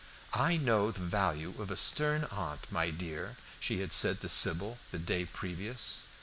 "I know the value of a stern aunt, my dear," she had said to Sybil the day previous.